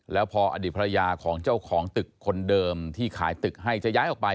แล้วพออดีตภรรยาของเจ้าของตึกคนเดิมที่ขายตึกให้จะย้ายออกไป